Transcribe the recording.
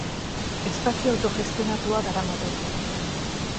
Espazio autogestionatua daramate.